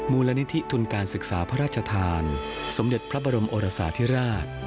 มูลนิธิทุนการศึกษาพระราชทานสมเด็จพระบรมโอรสาธิราช